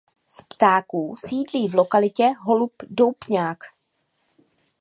Z ptáků sídlí v lokalitě holub doupňák.